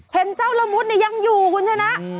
เห็นเจ้าละมุดนี่ยังอยู่คุณฉะนั้น